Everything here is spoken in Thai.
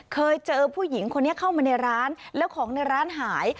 เคยเจอผู้หญิงคนนี้เข้ามาในร้านแล้วของในร้านหาย